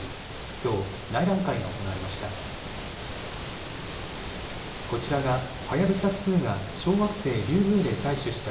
きょう内覧会が行われました。